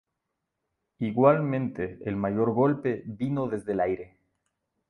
Igualmente, el mayor golpe vino desde el aire.